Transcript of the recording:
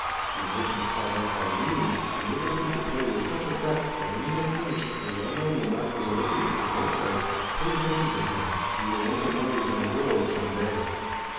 The emotions called up by the meeting enabled him to play with such effect that when he had finished, the well known remark was elicited from Mozart: "Pay attention to him. He will make a noise in the world some day."